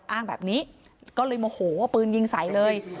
อ้างแบบนี้ก็เลยโมโหเอาปืนยิงใส่เลย